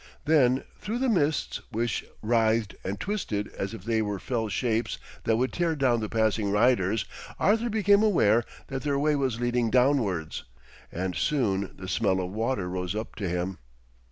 Then, through the mists, which writhed and twisted as if they were fell shapes that would tear down the passing riders, Arthur became aware that their way was leading downwards, and soon the smell of water rose up to him.